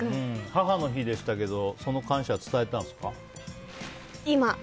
母の日でしたけどその感謝、伝えたんですか？